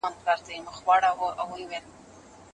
ایا بدن بوی د هیواد له مخې توپیر لري؟